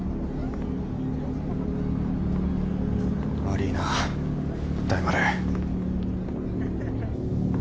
悪いな大丸。